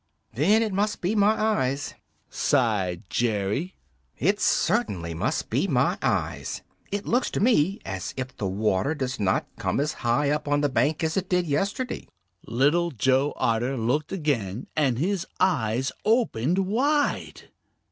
"Then it must be my eyes," sighed Jerry. "It certainly must be my eyes. It looks to me as if the water does not come as high up on the bank as it did yesterday." Little Joe Otter looked again and his eyes opened wide.